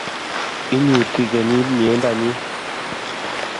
Inyiti kenyit mieindanyi